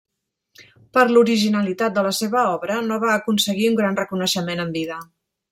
Per l'originalitat de la seva obra, no va aconseguir un gran reconeixement en vida.